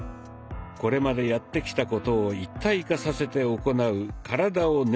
これまでやってきたことを一体化させて行う「体を練る」